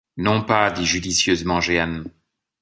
Non pas, dit judicieusement Jehan.